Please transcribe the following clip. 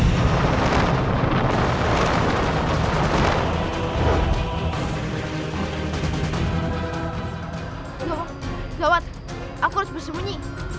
loh lewat aku harus bersembunyi